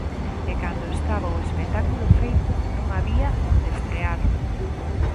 E cando estaba o espectáculo feito, non había onde estrear.